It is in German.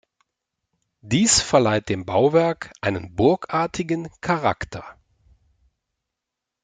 Dies verleiht dem Bauwerk einen burgartigen Charakter.